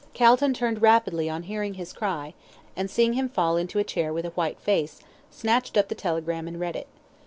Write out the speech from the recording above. Calton turned rapidly on hearing his cry, and seeing him fall into a chair with a white face, snatched up the telegram and read it.